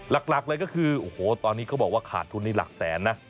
หลักเลยก็คือโอ้โหตอนนี้เขาบอกว่าขาดทุนนี้หลักแสนนะ